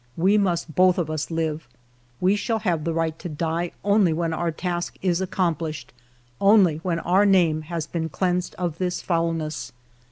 We must both of us live. We shall have the right to die, only when our task is accom plished, only when our name has been cleansed of this foulness.